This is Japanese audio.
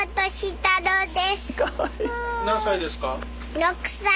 何歳ですか？